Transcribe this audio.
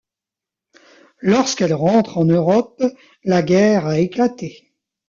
Lorsqu’elle rentre en Europe, la guerre a éclaté.